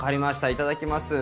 いただきます。